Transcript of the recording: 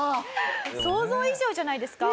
想像以上じゃないですか？